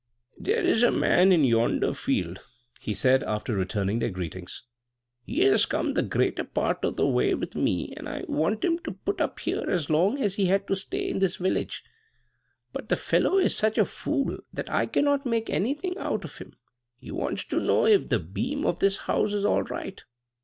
"There is a man in yonder field," he said, after returning their greetings. "He has come the greater part of the way with me, and I wanted him to put up here as long as he had to stay in this village. But the fellow is such a fool that I cannot make anything out of him. He wants to know if the beam of this house is all right.